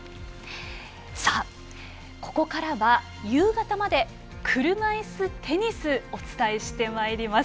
さあ、ここからは夕方まで車いすテニスをお伝えしてまいります。